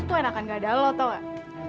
tuh enakan gak ada lo tau gak